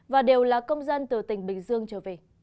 và đều là công dân từ tỉnh bình dương trở về